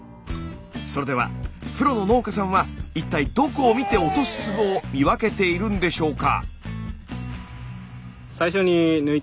それではプロの農家さんは一体どこを見て落とす粒を見分けているんでしょうか？